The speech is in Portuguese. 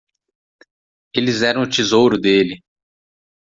Eles eram o tesouro dele.